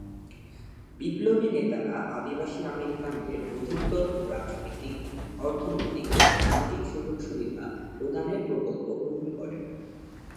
বিপ্লবী নেতারা আদিবাসী আমেরিকানদের অধিকতর রাজনৈতিক, অর্থনৈতিক ও সামাজিক সুযোগ সুবিধা প্রদানের প্রকল্প গ্রহণ করেন।